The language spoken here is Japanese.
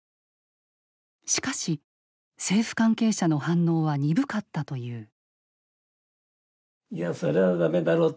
しかし政府関係者の反応は鈍かったという。